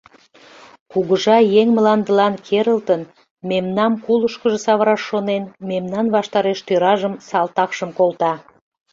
Кугыжа, еҥ мландылан керылтын, мемнам кулышкыжо савыраш шонен, мемнан ваштареш тӧражым, салтакшым колта.